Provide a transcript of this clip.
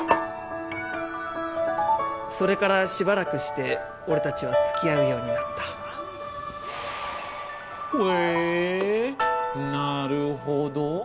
それからしばらくして俺達は付き合うようになった現在ほぇなるほど。